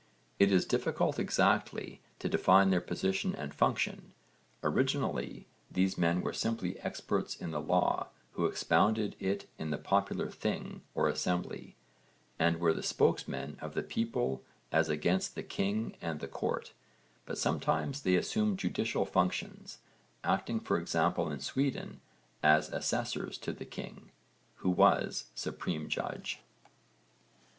It is difficult exactly to define their position and function. Originally these men were simply experts in the law who expounded it in the popular thing or assembly, and were the spokesmen of the people as against the king and the court, but sometimes they assumed judicial functions, acting for example in Sweden as assessors to the king, who was supreme judge.